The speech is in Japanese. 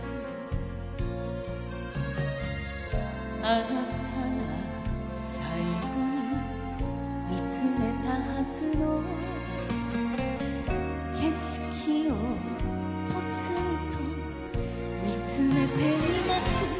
鴎あなたが最後にみつめたはずの景色をぽつんとみつめています